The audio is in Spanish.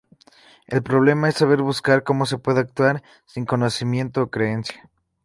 El problema es saber buscar cómo se puede actuar sin conocimiento o creencia.